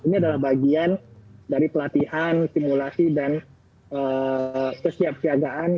ini adalah bagian dari pelatihan simulasi dan kesiapsiagaan